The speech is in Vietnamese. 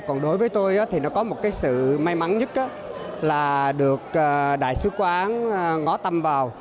còn đối với tôi thì nó có một cái sự may mắn nhất là được đại sứ quán ngó tâm vào